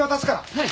はい！